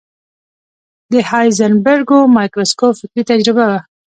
د هایزنبرګر مایکروسکوپ فکري تجربه وه.